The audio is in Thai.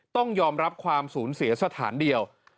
ต้องยอมรับความสูญเสียสถานเดียว